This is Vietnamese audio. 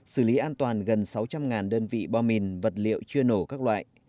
xử lý an toàn gần sáu trăm linh đơn vị bom mìn vật liệu chưa nổ các loại